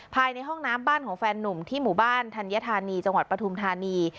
ภายในห้องน้ำบ้านของแฟนนุ่มที่หมู่บ้านธัญธานีจังหวัดปฐุมธานี